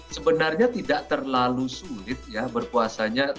sebenarnya tidak terlalu sulit ya berpuasanya